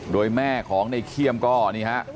โดยแม่ของในเขี้ยมก็นี่ฮะ